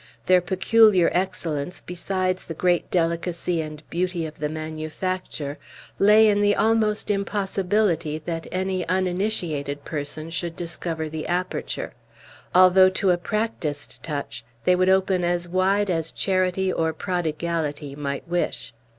Their peculiar excellence, besides the great delicacy and beauty of the manufacture, lay in the almost impossibility that any uninitiated person should discover the aperture; although, to a practised touch, they would open as wide as charity or prodigality might wish.